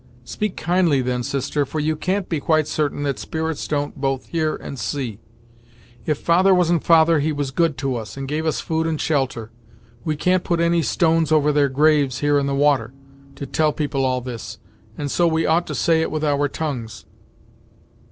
"Speak kindly then, sister, for you can't be quite certain that spirits don't both hear and see. If father wasn't father, he was good to us, and gave us food and shelter. We can't put any stones over their graves, here in the water, to tell people all this, and so we ought to say it with our tongues."